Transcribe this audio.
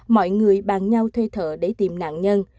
mọi người bàn nhau thuê thợ để tìm nạn nhân